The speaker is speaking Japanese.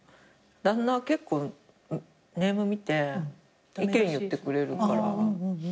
旦那は結構ネーム見て意見言ってくれるから。